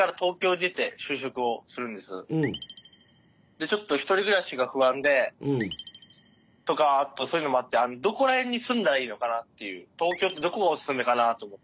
でちょっと一人暮らしが不安でとかあとそういうのもあってどこら辺に住んだらいいのかなっていう東京ってどこがお勧めかなと思って。